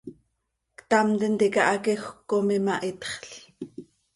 Ctam tintica haquejöc com imahitxl.